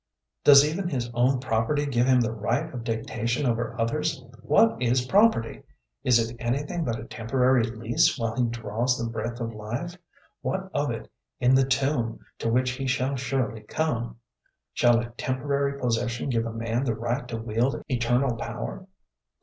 Does even his own property give him the right of dictation over others? What is property? Is it anything but a temporary lease while he draws the breath of life? What of it in the tomb, to which he shall surely come? Shall a temporary possession give a man the right to wield eternal power?